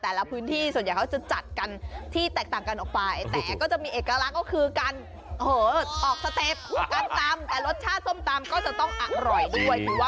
แต่ละพื้นที่ส่วนใหญ่จะจัดกันที่แตกต่างกันออกไปแต่จะมีเอกลักษณ์ก็คือการออกนะ